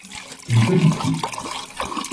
Une petite fille.